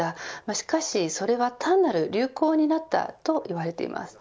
しかし、それは単なる流行になった、と言われています。